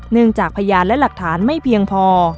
จากพยานและหลักฐานไม่เพียงพอ